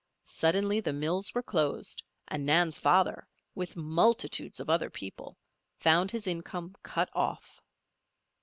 Suddenly the mills were closed and Nan's father with multitudes of other people found his income cut off.